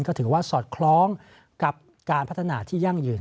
ก็ถือว่าสอดคล้องกับการพัฒนาที่ยั่งยืน